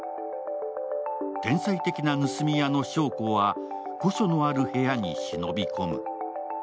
天才的な盗み屋の祥子は古書のある部屋に忍び込む。